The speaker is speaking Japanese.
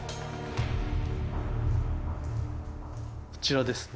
こちらですね。